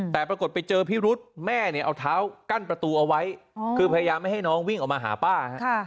แต่ปรากฏไปเจอพิรุษแม่เนี่ยเอาเท้ากั้นประตูเอาไว้คือพยายามไม่ให้น้องวิ่งออกมาหาป้า